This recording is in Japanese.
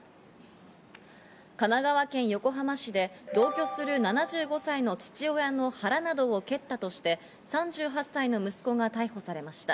神奈川県横浜市で同居する７５歳の父親の腹などを蹴ったとして、３８歳の息子が逮捕されました。